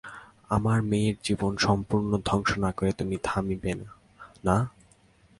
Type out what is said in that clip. আমার মেয়ের জীবন সম্পূর্ণ ধ্বংস না করে তুই থামবি না, না?